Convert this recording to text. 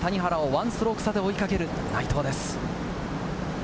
前田、谷原を１ストローク差で追いかける内藤です。